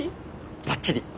ばっちり。